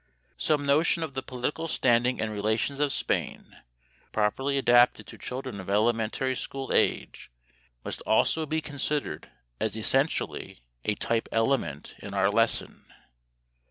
Some notion of the political standing and relations of Spain, properly adapted to children of elementary school age, must also be considered as essentially a "type element" in our lesson.